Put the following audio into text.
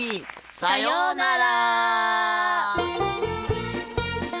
さようなら！